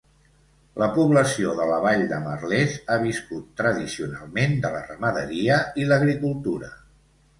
La població de la vall de Merlès ha viscut tradicionalment de la ramaderia i l'agricultura.